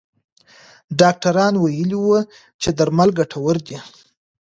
ډاکټران ویلي وو چې درمل ګټور دي.